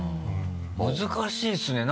難しいですね